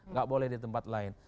nggak boleh di tempat lain